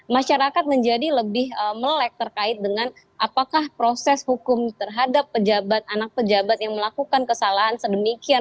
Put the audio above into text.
masyarakat menjadi lebih melek terkait dengan apakah proses hukum terhadap pejabat anak pejabat yang melakukan kesalahan sedemikian